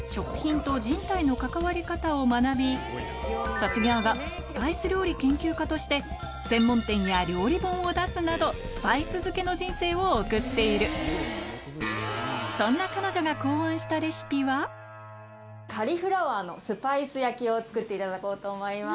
卒業後スパイス料理研究家として専門店や料理本を出すなどスパイス漬けの人生を送っているそんな彼女が考案したレシピはを作っていただこうと思います。